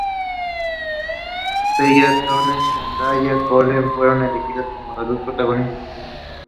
Bella Thorne y Zendaya Coleman fueron elegidas como las dos protagonistas femeninas.